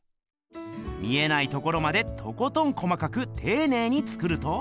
見えないところまでとことん細かくていねいに作ると。